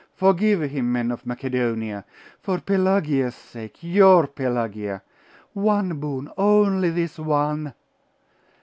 Forgive him, men of Macedonia! For Pelagia's sake Your Pelagia! One boon only this one!